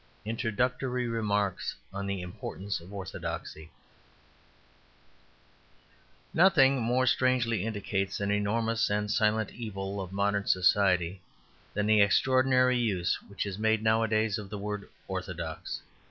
Introductory Remarks on the Importance of Orthodoxy Nothing more strangely indicates an enormous and silent evil of modern society than the extraordinary use which is made nowadays of the word "orthodox."